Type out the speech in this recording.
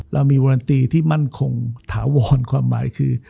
เรามีวารันตีที่มั่นคงถาวรความหมายคือ